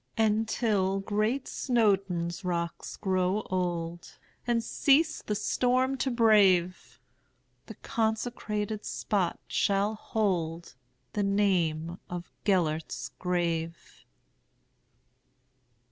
And, till great Snowdon's rocks grow old, And cease the storm to brave, The consecrated spot shall holdThe name of "Gêlert's Grave."